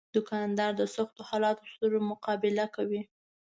دوکاندار د سختو حالاتو سره مقابله کوي.